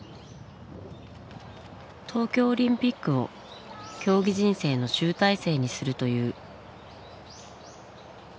東京オリンピックを競技人生の集大成にするという。